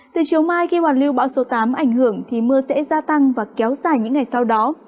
từ chiều mai khi hoàn lưu bão số tám ảnh hưởng thì mưa sẽ gia tăng và kéo dài những ngày sau đó